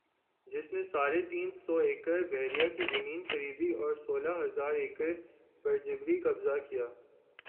جس نے ساڑھے تین سو ایکڑبحریہ کی زمین خریدی اور سولہ ھزار ایکڑ پر جبری قبضہ کیا